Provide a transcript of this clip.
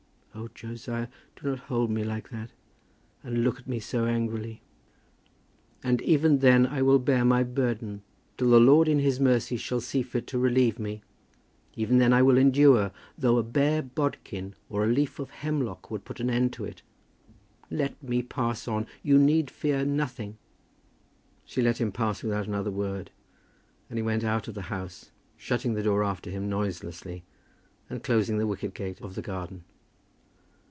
"Oh, Josiah, do not hold me like that, and look at me so angrily." "And even then I will bear my burden till the Lord in His mercy shall see fit to relieve me. Even then I will endure, though a bare bodkin or a leaf of hemlock would put an end to it. Let me pass on; you need fear nothing." She did let him pass without another word, and he went out of the house, shutting the door after him noiselessly, and closing the wicket gate of the garden.